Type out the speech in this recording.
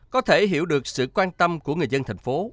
có thể hiểu được sự quan tâm của người dân thành phố